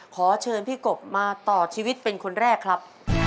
ขอเชิญพี่กบมาต่อชีวิตเป็นคนแรกครับ